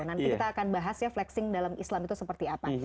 nanti kita akan bahas ya flexing dalam islam itu seperti apa